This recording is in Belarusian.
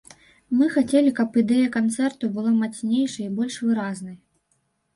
Мы хацелі, каб ідэя канцэрту была мацнейшай і больш выразнай.